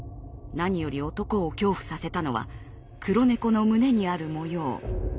何より男を恐怖させたのは黒猫の胸にある模様。